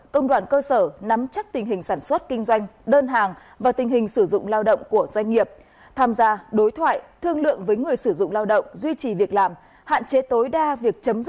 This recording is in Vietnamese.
công đoàn cơ sở nắm lượng lực lượng lực lượng lực lượng lực lượng